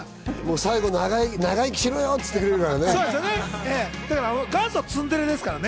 最後、長生きしろよって言ってくれますからね。